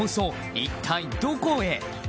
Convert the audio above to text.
一体どこへ？